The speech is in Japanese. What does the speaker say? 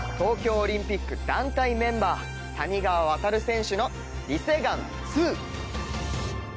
オリンピック団体メンバー谷川航選手のリ・セグァン２。